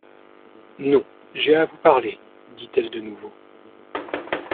Non, j'ai à vous parler, dit-elle de nouveau.